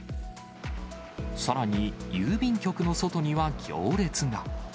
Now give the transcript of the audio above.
さらに郵便局の外には行列が。